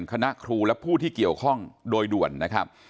คณะครูและผู้ที่เกี่ยวข้องโดยด่วนนะครับ